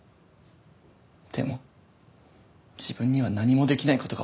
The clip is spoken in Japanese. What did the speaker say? でも自分には何もできない事がわかってるから。